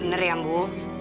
bener ya ambu